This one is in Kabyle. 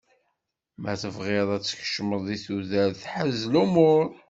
Ma tebɣiḍ ad tkecmeḍ di tudert, ḥrez lumuṛ.